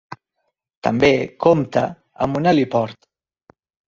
També compta amb un heliport.